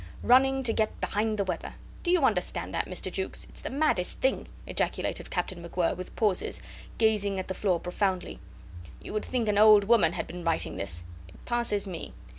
"Running to get behind the weather! Do you understand that, Mr. Jukes? It's the maddest thing!" ejaculated Captain MacWhirr, with pauses, gazing at the floor profoundly. "You would think an old woman had been writing this. It passes me.